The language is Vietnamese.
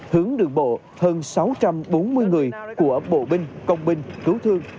hướng đường bộ hơn sáu trăm bốn mươi người của bộ binh công binh cứu thương